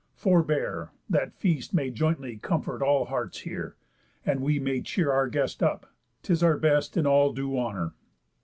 Forbear, That feast may jointly comfort all hearts here, And we may cheer our guest up; 'tis our best In all due honour.